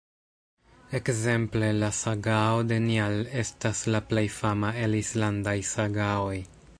Ekzemple La sagao de Njal estas la plej fama el islandaj sagaoj.